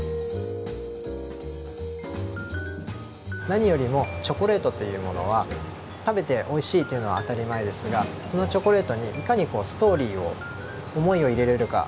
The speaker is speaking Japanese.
何よりもチョコレートというものは食べておいしいというのは当たり前ですがそのチョコレートにいかにストーリーを思いを入れれるか。